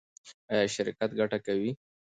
ایا شرکت ګټه کوي؟